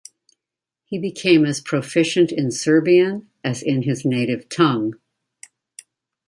He became as proficient in Serbian as in his native tongue.